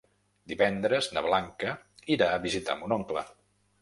Divendres na Blanca irà a visitar mon oncle.